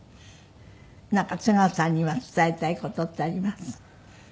なんか津川さんには伝えたい事ってあります？